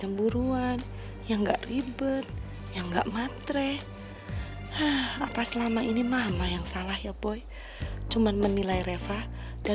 obat kalau itu sholat